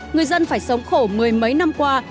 người dân phải sống khổ mười mấy năm qua